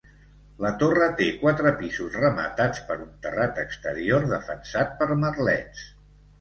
La torre té quatre pisos rematats per un terrat exterior defensat per merlets.